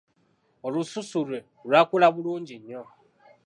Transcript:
Olususu lwe lwakula bulungi nnyo.